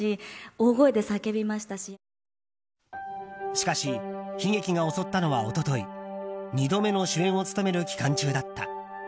しかし悲劇が襲ったのは一昨日２度目の主演を務める期間中だった。